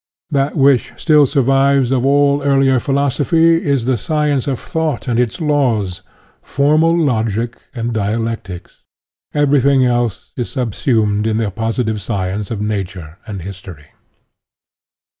That which still survives of all earlier philosophy is the science of thought and its laws formal logic and dialectics. Everything else is subsumed in the positive science of Nature and history.